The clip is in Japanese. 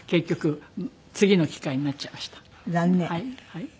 はい。